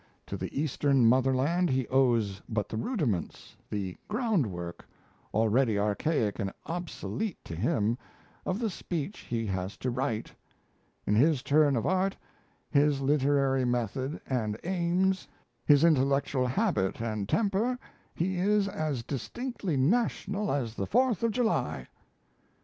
To the eastern motherland he owes but the rudiments, the groundwork, already archaic and obsolete to him, of the speech he has to write; in his turn of art, his literary method and aims, his intellectual habit and temper, he is as distinctly national as the Fourth of July."